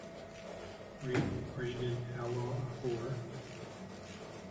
rate Branded Outlaw a four